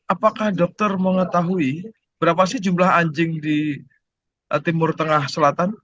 apakah dokter mengetahui berapa sih jumlah anjing di timur tengah selatan